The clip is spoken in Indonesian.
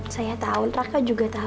saya tau raka juga tau kan